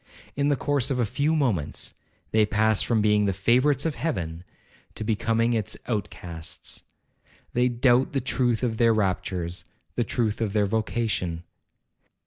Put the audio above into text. In the course of a few moments, they pass from being the favourites of Heaven to becoming its outcasts. They doubt the truth of their raptures,—the truth of their vocation.